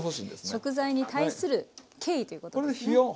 食材に対する敬意ということですね。